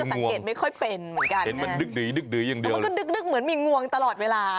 อันไหนคืองวงมันดึ๊กดึ๊กอย่างเดียวมันก็ดึ๊กเหมือนมีงวงตลอดเวลา